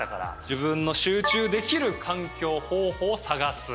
「自分の集中できる環境方法を探す」。